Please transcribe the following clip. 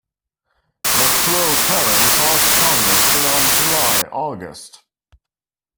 The flow currents are strongest around July-August.